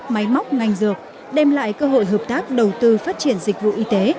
máy móc ngành dược đem lại cơ hội hợp tác đầu tư phát triển dịch vụ y tế